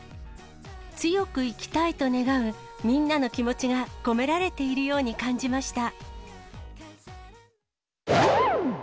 強く生きたいと願うみんなの気持ちが込められているように感じました。